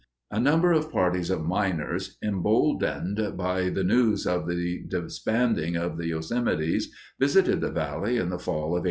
A number of parties of miners, emboldened by the news of the disbanding of the Yosemites, visited the valley in the fall of 1853.